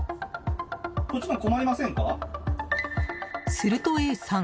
するとＡさん